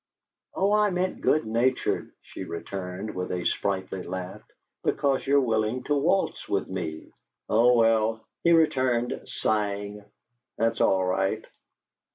"Oh, I meant good natured," she returned, with a sprightly laugh, "because you're willing to waltz with me." "Oh, well," he returned, sighing, "that's all right."